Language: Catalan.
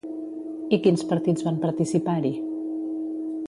I quins partits van participar-hi?